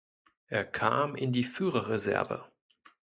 Er kam in die Führerreserve.